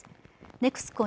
ＮＥＸＣＯ